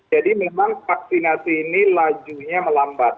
jadi memang vaksinasi ini lajunya melambat